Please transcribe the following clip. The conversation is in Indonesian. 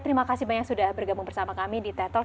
terima kasih banyak sudah bergabung bersama kami di ted talk